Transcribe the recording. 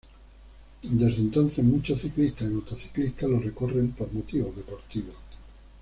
Desde entonces, muchos ciclistas y motociclistas lo recorren por motivos deportivos.